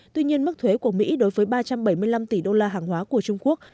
tuy nhiên mức thuế của mỹ đối với ba trăm bảy mươi năm tỷ đô la hàng hóa của trung quốc